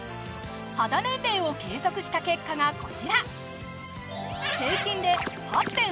肌年齢を計測した結果がこちら！